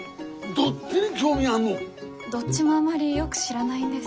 どっちもあまりよく知らないんです。